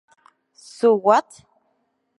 So What?